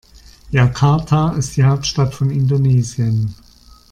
Jakarta ist die Hauptstadt von Indonesien.